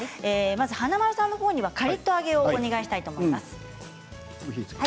華丸さんの方にはカリっと揚げをお願いしたいと思います。